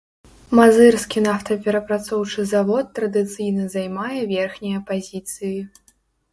Мазырскі нафтаперапрацоўчы завод традыцыйна займае верхнія пазіцыі.